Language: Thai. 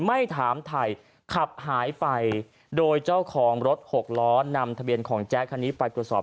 ไม่ถามไทยขับหายไปโดยเจ้าของรถหกล้อนำทะเบียนของแจ๊คคันนี้ไปตรวจสอบ